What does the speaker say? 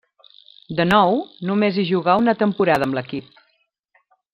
De nou, només hi jugà una temporada amb l'equip.